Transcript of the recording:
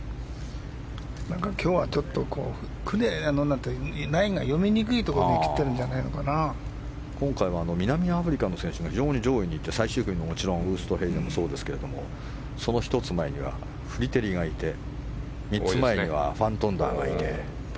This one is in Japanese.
今日はラインが読みにくいところに今回は南アフリカの選手が非常に上位にいて最終組もウーストヘイゼンもそうですけどその１つ前にはフリテリがいて３つ前にはファントンダーがいて。